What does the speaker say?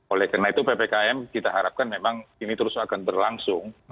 oleh karena itu ppkm kita harapkan memang ini terus akan berlangsung